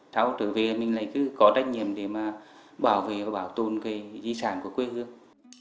sau trở về mình lại cứ có trách nhiệm để mà bảo vệ và bảo tồn cái di sản của quê hương